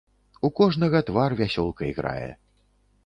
У кожнага твар вясёлкай грае.